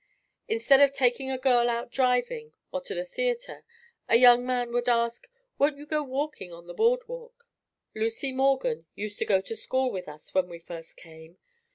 Instead of taking a girl out driving or to the theatre, a young man would ask, "Won't you go walking on the boardwalk?" Lucy Morgan used to go to school with us when we first came.